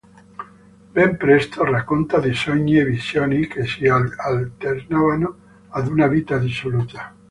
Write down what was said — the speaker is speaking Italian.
Ben presto racconta di sogni e visioni, che si alternavano ad una vita dissoluta.